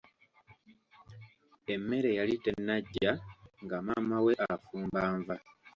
Emmere yali tennaggya, nga maama we afumba nva.